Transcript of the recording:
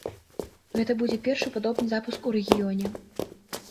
Гэта будзе першы падобны запуск у рэгіёне.